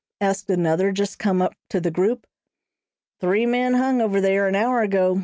asked another, just come up to the group. "Three men hung over there, an hour ago.